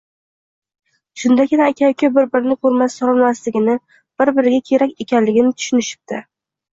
Shundagina aka-uka bir-birini ko‘rmasa turolmasligini, bir-biriga kerak ekanligini tushunishibdi.